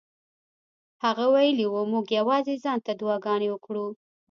هغه ویلي وو موږ یوازې ځان ته دعاګانې وکړو.